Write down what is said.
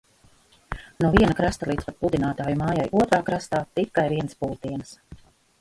No viena krasta līdz pat Pludinātāju mājai otrā krastā tikai viens pūtiens.